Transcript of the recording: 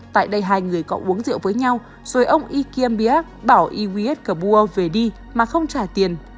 tại đây hai người cộng uống rượu với nhau rồi ông ikembiak bảo iwis kabua về đi mà không trả tiền